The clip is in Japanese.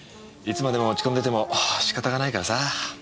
いつまでも落ち込んでても仕方がないからさ。